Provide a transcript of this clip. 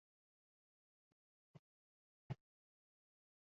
Kobul aeroportida portlash yuz berdi. Qurbonlar bor